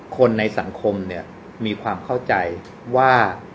คนในสังคมเนี่ยมีความเข้าใจว่า